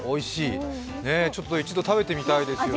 ちょっと一度食べてみたいですよね。